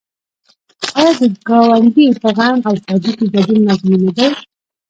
آیا د ګاونډي په غم او ښادۍ کې ګډون لازمي نه دی؟